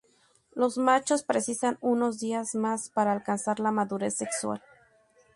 Los machos precisan unos días más para alcanzar la madurez sexual.